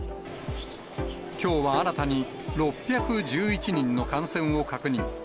きょうは新たに６１１人の感染を確認。